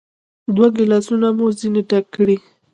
دوه ګیلاسونه مو ځینې ډک کړل.